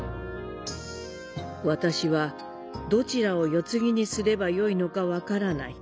「私はどちらを世継ぎにすればよいのか分からない。